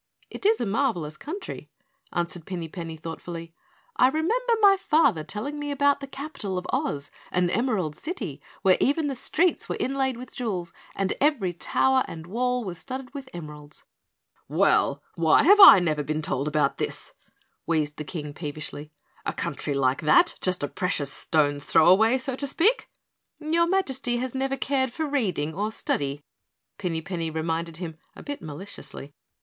"It is a marvelous country," answered Pinny Penny thoughtfully. "I remember my father telling me about the capital of Oz, an Emerald City, where even the streets were inlaid with jewels and every tower and wall was studded with emeralds." "Well, why have I never been told about this?" wheezed the King peevishly. "A country like that just a precious stone's throw away, so to speak." "Your Majesty has never cared for reading or study," Pinny Penny reminded him a bit maliciously.